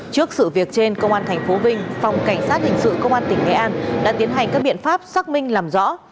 trước sự việc trên công an tp vinh phòng cảnh sát hình sự công an tỉnh nghệ an đã tiến hành các biện pháp xác minh làm rõ